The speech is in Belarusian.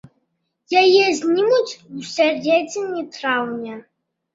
Яе знімуць у сярэдзіне траўня.